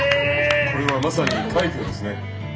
「これはまさに快挙ですね。